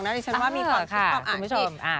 เขาเป็นสาวสตรองนะดิฉันว่ามีความชิดความอ้างอิด